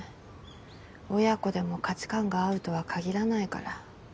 親子でも価値観が合うとは限らないから。